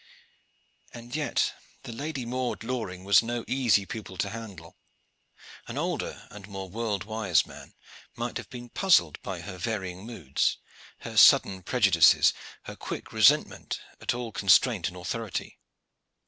And yet the Lady Maude Loring was no easy pupil to handle. An older and more world wise man might have been puzzled by her varying moods, her sudden prejudices, her quick resentment at all constraint and authority.